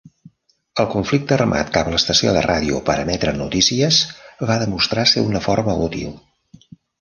El conflicte armat cap a l'estació de ràdio per emetre notícies va demostrar ser una forma útil.